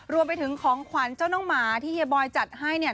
รวมไปถึงของขวัญเจ้าน้องหมาที่เฮียบอยจัดให้เนี่ย